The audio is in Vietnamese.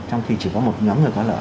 trong khi chỉ có một nhóm người có lợi